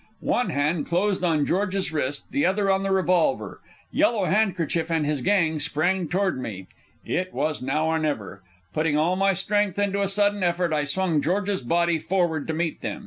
One hand closed on George's wrist, the other on the revolver. Yellow Handkerchief and his gang sprang toward me. It was now or never. Putting all my strength into a sudden effort, I swung George's body forward to meet them.